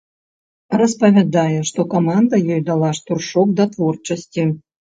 Распавядае, што каманда ёй дала штуршок да творчасці.